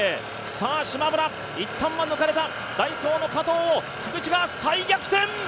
しまむら、いったんは抜かれたダイソーの加藤を菊地が再逆転！